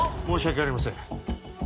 申し訳ありません。